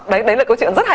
đấy là câu chuyện rất hay